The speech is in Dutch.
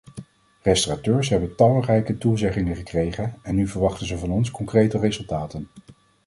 Restaurateurs hebben talrijke toezeggingen gekregen, en nu verwachten ze van ons concrete resultaten.